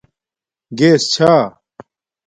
گیس چھا